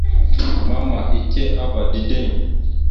Mama ike ava dideŋ.